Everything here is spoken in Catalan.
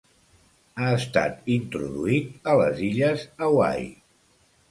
Ha estat introduït a les illes Hawaii.